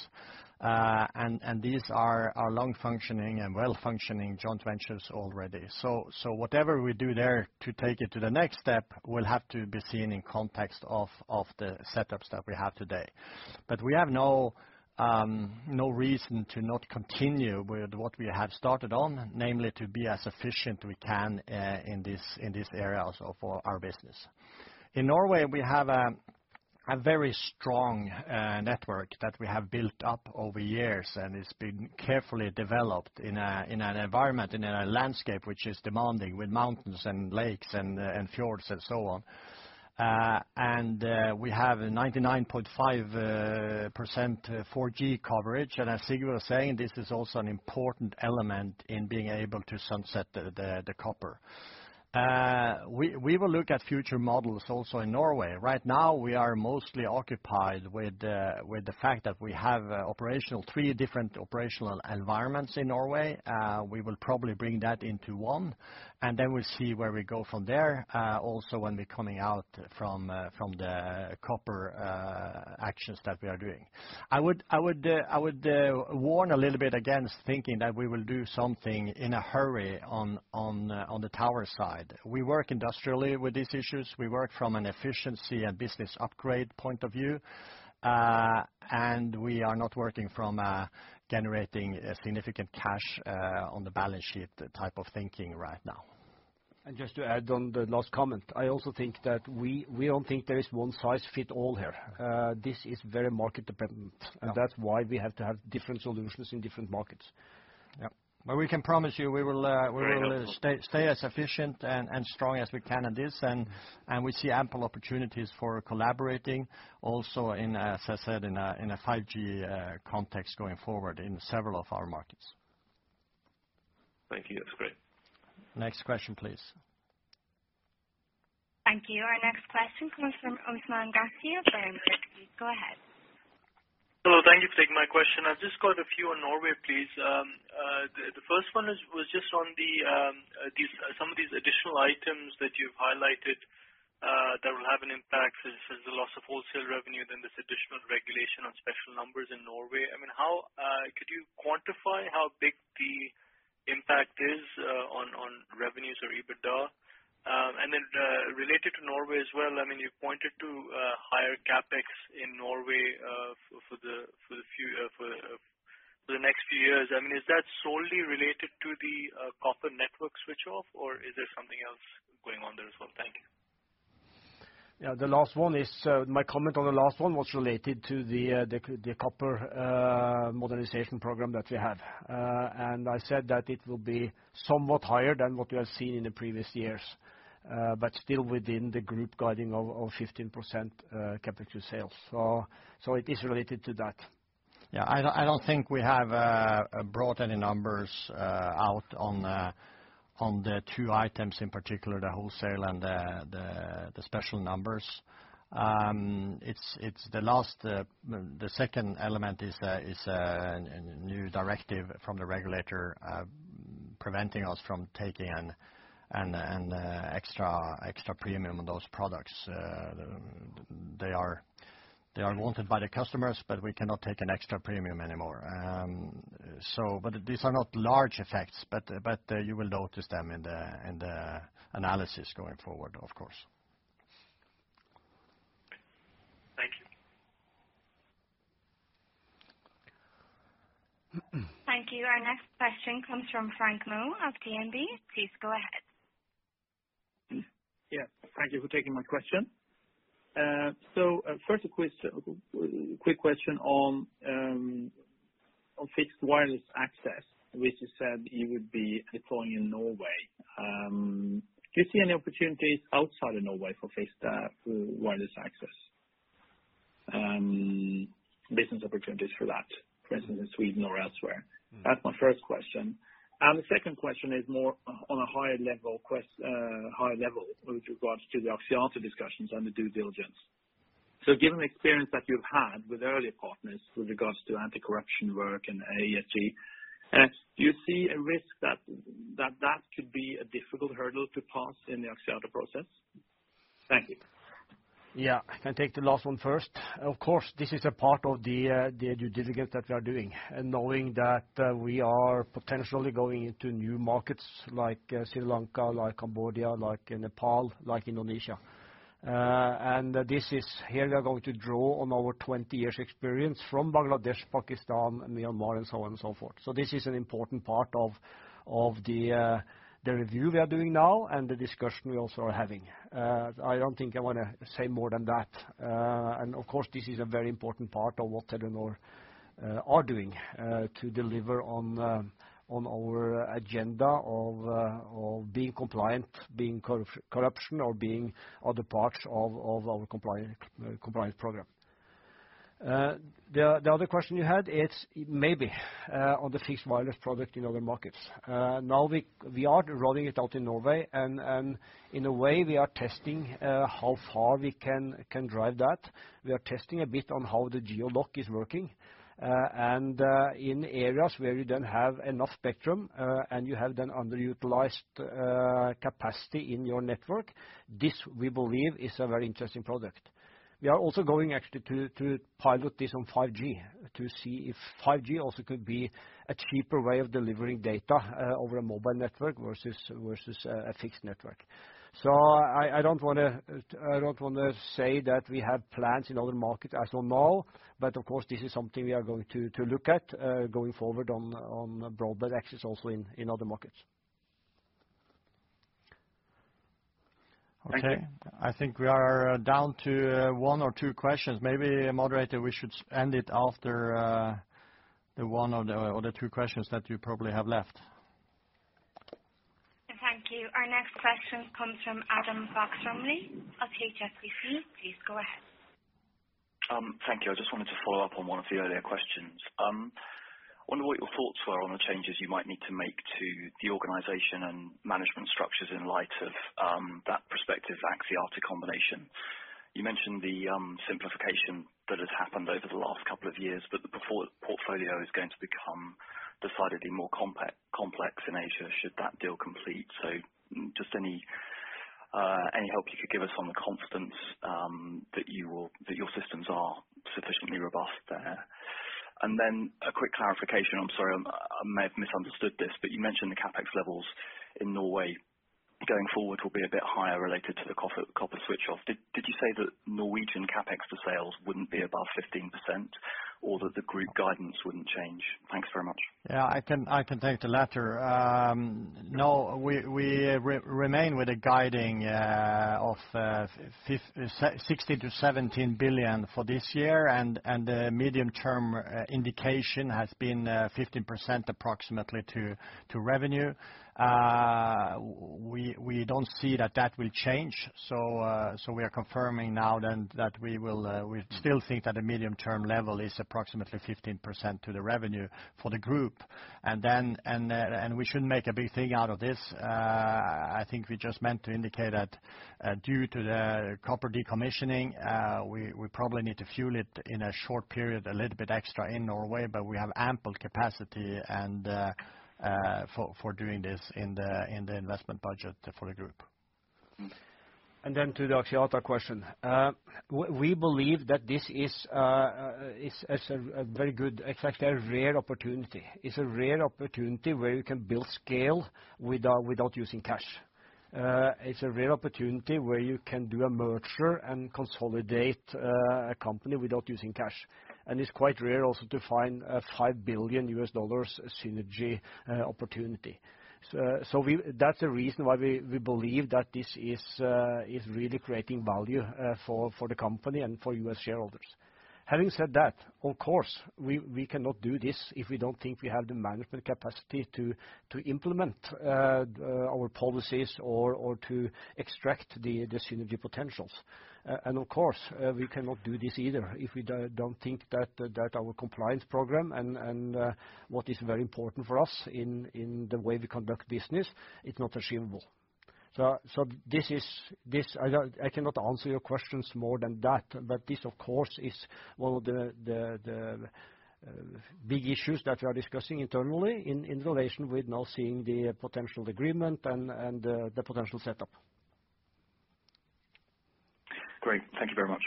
and these are long functioning and well-functioning joint ventures already. So, whatever we do there to take it to the next step, will have to be seen in context of the setups that we have today. But we have no reason to not continue with what we have started on, namely, to be as efficient we can in this area also for our business. In Norway, we have a very strong network that we have built up over years, and it's been carefully developed in an environment, in a landscape which is demanding, with mountains and lakes and fjords and so on. And we have a 99.5% 4G coverage. And as Sigve was saying, this is also an important element in being able to sunset the copper. We will look at future models also in Norway. Right now, we are mostly occupied with the fact that we have three different operational environments in Norway. We will probably bring that into one, and then we'll see where we go from there, also when we're coming out from the copper actions that we are doing. I would warn a little bit against thinking that we will do something in a hurry on the tower side. We work industrially with these issues. We work from an efficiency and business upgrade point of view, and we are not working from generating a significant cash on the balance sheet type of thinking right now. Just to add on the last comment, I also think that we don't think there is one size fit all here. This is very market dependent- Yeah. That's why we have to have different solutions in different markets. Yeah. But we can promise you, we will, we will- Very helpful. stay as efficient and strong as we can on this, and we see ample opportunities for collaborating also in, as I said, in a 5G context going forward in several of our markets. Thank you. That's great. Next question, please. Thank you. Our next question comes from Usman Ghazi of Berenberg. Go ahead. Hello, thank you for taking my question. I've just got a few on Norway, please. The first one was just on some of these additional items that you've highlighted that will have an impact, since there's a loss of wholesale revenue, then this additional regulation on special numbers in Norway. I mean, how could you quantify how big the impact is on revenues or EBITDA? And then, related to Norway as well, I mean, you pointed to higher CapEx in Norway for the next few years. I mean, is that solely related to the copper network switch off, or is there something else going on there as well? Thank you. Yeah, the last one is. My comment on the last one was related to the copper modernization program that we have. And I said that it will be somewhat higher than what we have seen in the previous years, but still within the group guiding of 15% CapEx to sales. So, it is related to that. Yeah, I don't think we have brought any numbers out on the two items, in particular, the wholesale and the special numbers. It's the last the second element is a new directive from the regulator preventing us from taking an extra premium on those products. They are wanted by the customers, but we cannot take an extra premium anymore. So but these are not large effects, but you will notice them in the analysis going forward, of course. Thank you. Thank you. Our next question comes from Frank Maaø of DNB. Please go ahead. Yeah, thank you for taking my question. So, first a quick question on fixed wireless access, which you said you would be deploying in Norway. Do you see any opportunities outside of Norway for fixed wireless access? Business opportunities for that, for instance, in Sweden or elsewhere? That's my first question. And the second question is more on a higher level with regards to the Axiata discussions and the due diligence. So given the experience that you've had with earlier partners with regards to anti-corruption work and ESG, do you see a risk that could be a difficult hurdle to pass in the Axiata process? Thank you. Yeah, I can take the last one first. Of course, this is a part of the due diligence that we are doing, and knowing that we are potentially going into new markets like Sri Lanka, like Cambodia, like in Nepal, like Indonesia. And this is here we are going to draw on our 20 years experience from Bangladesh, Pakistan, and Myanmar, and so on and so forth. So this is an important part of the review we are doing now and the discussion we also are having. I don't think I want to say more than that. And of course, this is a very important part of what Telenor are doing to deliver on our agenda of being compliant, being corruption, or being other parts of our compliance program. The other question you had is maybe on the fixed wireless product in other markets. Now, we are rolling it out in Norway, and in a way, we are testing how far we can drive that. We are testing a bit on how the geo lock is working. And in areas where you don't have enough spectrum, and you have then underutilized capacity in your network, this, we believe, is a very interesting product. We are also going actually to pilot this on 5G, to see if 5G also could be a cheaper way of delivering data over a mobile network versus a fixed network. So I don't wanna say that we have plans in other markets as of now, but of course, this is something we are going to look at going forward on broadband access also in other markets. Thank you. Okay. I think we are down to one or two questions. Maybe, moderator, we should end it after the one or two questions that you probably have left. Thank you. Our next question comes from Adam Fox-Rumley of HSBC. Please go ahead. Thank you. I just wanted to follow up on one of the earlier questions. I wonder what your thoughts were on the changes you might need to make to the organization and management structures in light of that prospective Axiata combination. You mentioned the simplification that has happened over the last couple of years, but the portfolio is going to become decidedly more complex in Asia, should that deal complete. So just any help you could give us on the confidence that your systems are sufficiently robust there? And then a quick clarification. I'm sorry, I may have misunderstood this, but you mentioned the CapEx levels in Norway going forward will be a bit higher related to the copper switch off. Did you say that Norwegian CapEx to sales wouldn't be above 15% or that the group guidance wouldn't change? Thanks very much. Yeah, I can take the latter. No, we remain with a guidance of 16-17 billion for this year, and the medium-term indication has been approximately 15% to revenue. We don't see that that will change, so we are confirming now then that we still think that the medium-term level is approximately 15% to the revenue for the group. And then, and we shouldn't make a big thing out of this. I think we just meant to indicate that due to the copper decommissioning, we probably need to fund it in a short period, a little bit extra in Norway, but we have ample capacity and for doing this in the investment budget for the group.... And then to the Axiata question. We believe that this is a very good, it's actually a rare opportunity. It's a rare opportunity where you can build scale without using cash. It's a rare opportunity where you can do a merger and consolidate a company without using cash. And it's quite rare also to find a $5 billion synergy opportunity. That's the reason why we believe that this is really creating value for the company and for U.S. shareholders. Having said that, of course, we cannot do this if we don't think we have the management capacity to implement our policies or to extract the synergy potentials. And of course, we cannot do this either, if we don't think that our compliance program and what is very important for us in the way we conduct business, it's not achievable. This I cannot answer your questions more than that, but this, of course, is one of the big issues that we are discussing internally in relation with now seeing the potential agreement and the potential setup. Great. Thank you very much.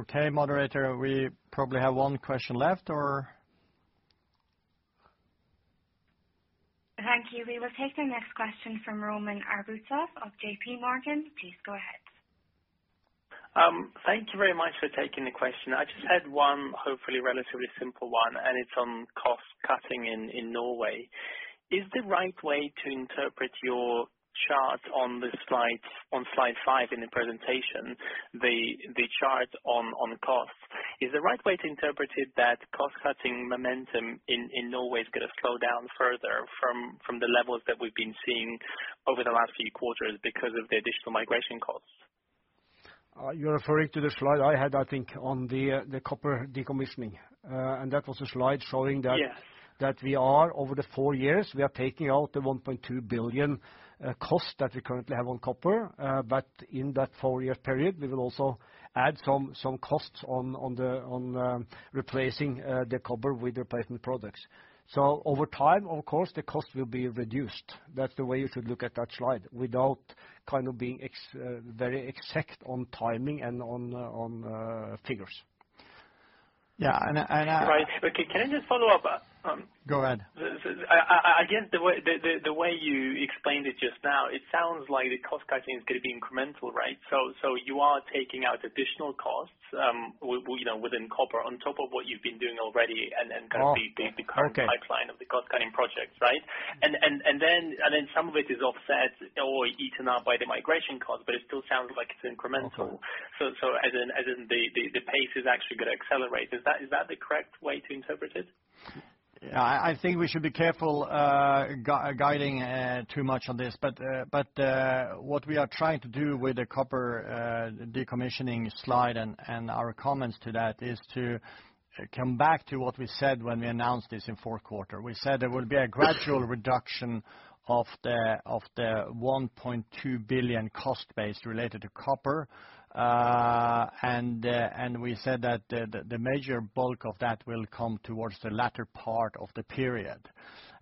Okay, moderator, we probably have one question left, or? Thank you. We will take the next question from Roman Arbuzov of JPMorgan. Please go ahead. Thank you very much for taking the question. I just had one, hopefully relatively simple one, and it's on cost cutting in Norway. Is the right way to interpret your chart on the slide, on slide 5 in the presentation, the chart on costs, that cost-cutting momentum in Norway is gonna slow down further from the levels that we've been seeing over the last few quarters because of the additional migration costs? You're referring to the slide I had, I think, on the copper decommissioning. And that was a slide showing that- Yes. that we are over the four years, we are taking out the 1.2 billion cost that we currently have on copper. But in that four-year period, we will also add some costs on replacing the copper with replacement products. So over time, of course, the cost will be reduced. That's the way you should look at that slide, without kind of being very exact on timing and on figures. Yeah, and I- Right. Okay, can I just follow up? Go ahead. I guess the way you explained it just now, it sounds like the cost cutting is gonna be incremental, right? So you are taking out additional costs, you know, within copper on top of what you've been doing already, and then kind of- Oh, okay. the current pipeline of the cost-cutting projects, right? And then some of it is offset or eaten up by the migration cost, but it still sounds like it's incremental. Okay. So, as in, the pace is actually gonna accelerate. Is that the correct way to interpret it? Yeah, I think we should be careful guiding too much on this. But what we are trying to do with the copper decommissioning slide and our comments to that is to come back to what we said when we announced this in fourth quarter. We said there will be a gradual reduction of the 1.2 billion cost base related to copper. And we said that the major bulk of that will come towards the latter part of the period.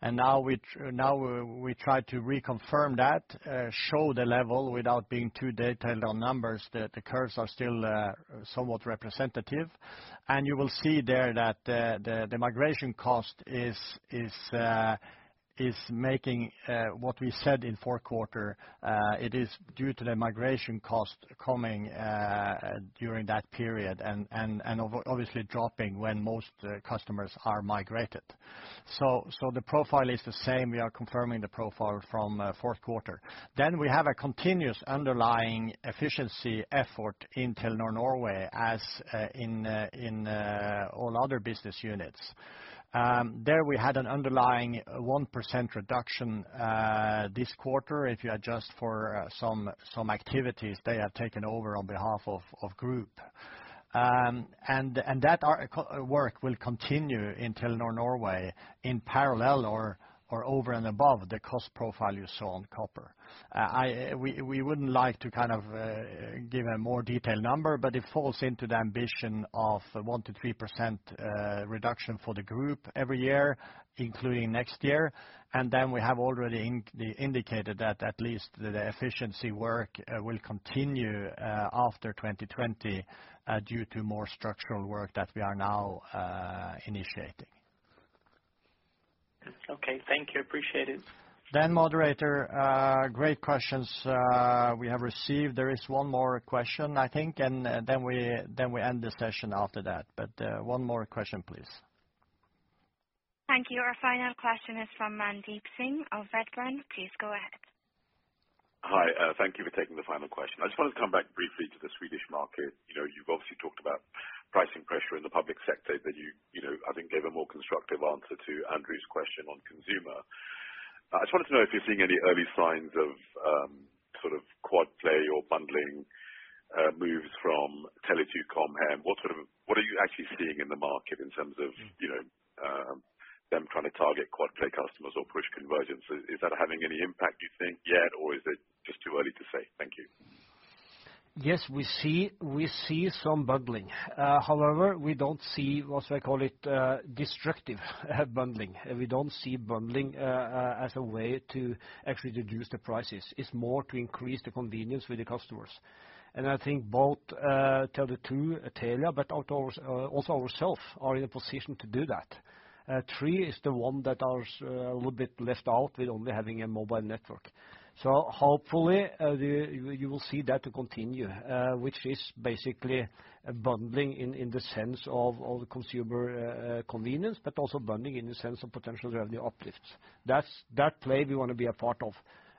And now we try to reconfirm that, show the level without being too detailed on numbers, the curves are still somewhat representative. And you will see there that the migration cost is making what we said in fourth quarter. It is due to the migration cost coming during that period and obviously dropping when most customers are migrated. So the profile is the same. We are confirming the profile from fourth quarter. Then we have a continuous underlying efficiency effort in Telenor Norway, as in all other business units. There, we had an underlying 1% reduction this quarter, if you adjust for some activities they have taken over on behalf of Group. And that work will continue in Telenor Norway in parallel or over and above the cost profile you saw on copper. We, we wouldn't like to kind of give a more detailed number, but it falls into the ambition of 1%-3% reduction for the group every year, including next year. And then we have already indicated that at least the efficiency work will continue after 2020 due to more structural work that we are now initiating. Okay. Thank you. Appreciate it. Then, moderator, great questions we have received. There is one more question, I think, and then we, then we end the session after that. But one more question, please. Thank you. Our final question is from Mandeep Singh of Redburn. Please go ahead. Hi, thank you for taking the final question. I just wanted to come back briefly to the Swedish market. You know, you've obviously talked about pricing pressure in the public sector, but you, you know, I think, gave a more constructive answer to Andrew's question on consumer. I just wanted to know if you're seeing any early signs of, sort of quad play or bundling, moves from Tele2 Com Hem. What sort of- what are you actually seeing in the market in terms of, you know, them trying to target quad play customers or push convergence? Is that having any impact, you think, yet, or is it just too early to say? Thank you. Yes, we see, we see some bundling. However, we don't see, what I call it, destructive bundling. We don't see bundling, as a way to actually reduce the prices. It's more to increase the convenience with the customers. And I think both, Tele2, Telia, but also, also ourself, are in a position to do that. Three is the one that are, a little bit left out with only having a mobile network. So hopefully, you, you will see that to continue, which is basically a bundling in, in the sense of, of the consumer, convenience, but also bundling in the sense of potential revenue uplifts. That's that play we wanna be a part of,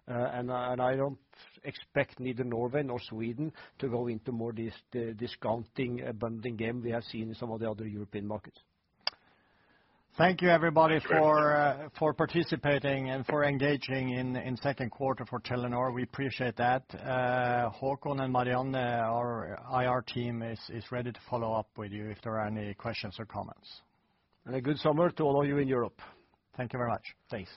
and I don't expect neither Norway nor Sweden to go into more discounting, bundling game we have seen in some of the other European markets. Thank you, everybody, for participating and for engaging in second quarter for Telenor. We appreciate that. Haakon and Marianne, our IR team is ready to follow up with you if there are any questions or comments. A good summer to all of you in Europe. Thank you very much. Thanks.